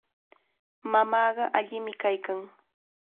Mamaaqa allimi kaykan.